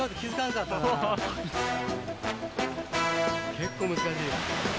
結構難しい。